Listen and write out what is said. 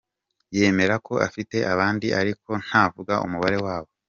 Yemera ko afite abandi ariko ntavuga umubare wabo.